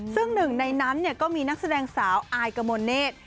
ซึ่งหนึ่งในนั้นก็มีนักแสดงสาวอายกมลเนธ